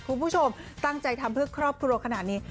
คุณผู้ชมตั้งใจทำเพื่อครอบครัวขนาดนี้